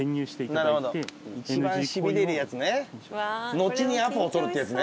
後にアポを取るってやつね。